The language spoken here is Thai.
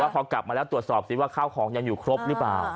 พอกลับมาแล้วตรวจสอบสิว่าข้าวของยังอยู่ครบหรือเปล่า